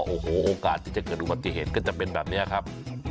โอ้โหโอกาสที่จะเกิดอุบัติเหตุก็จะเป็นแบบนี้ครับ